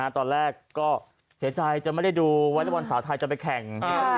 ตอนแรกก็เสียใจจะไม่ได้ดูวอเล็กบอลสาวไทยจะไปแข่ง